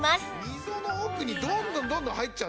溝の奥にどんどんどんどん入っちゃう。